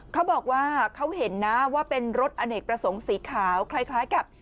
เขาบอกว่าเขาเห็นนะว่าเป็นรถอเนกประสงค์สีขาวคล้ายกับ